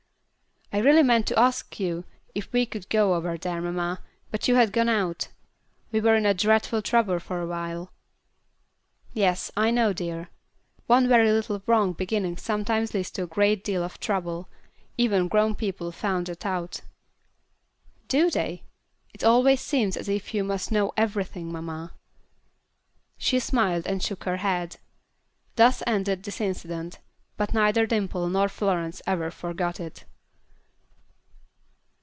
"I really meant to ask you if we could go over there, mamma, but you had gone out. We were in a dreadful trouble for a while." "Yes, I know, dear. One very little wrong beginning sometimes leads to a great deal of trouble; even grown people find that out." "Do they? It always seems as if you must know everything, mamma." She smiled and shook her head. Thus ended this incident, but neither Dimple nor Florence ever forgot it.